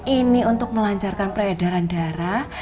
ini untuk melancarkan peredaran darah